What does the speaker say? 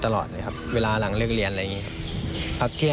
แต่ก็ทำให้เขาได้ประสบการณ์ชั้นดีของชีวิตดำมาพัฒนาต่อยอดสู่การแข่งขันบนเวทีทีมชาติไทย